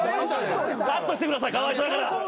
カットしてくださいかわいそうやから。